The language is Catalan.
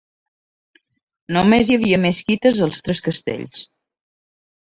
Només hi havia mesquites als tres castells.